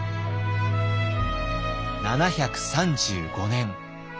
７３５年。